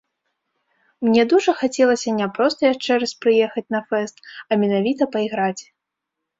Мне дужа хацелася не проста яшчэ раз прыехаць на фэст, а менавіта пайграць.